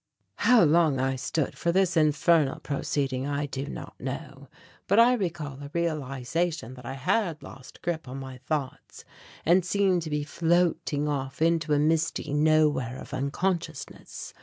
How long I stood for this infernal proceeding I do not know. But I recall a realization that I had lost grip on my thoughts and seemed to be floating off into a misty nowhere of unconsciousness.